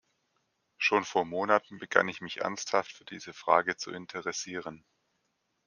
Schon vor Monaten begann ich mich ernsthaft für diese Frage zu interessieren.